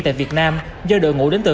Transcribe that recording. tại việt nam do đội ngũ đến từ